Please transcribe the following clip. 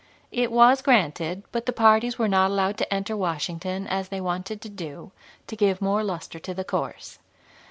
It was granted, but the parties were not allowed to enter Washington, as they wanted to do, to give more luster to the course.